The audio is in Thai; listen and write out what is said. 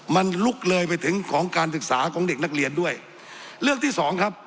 มันลุกเลยไปถึงของการศึกษาของเด็กนักเรียนด้วยเรื่องที่สองครับ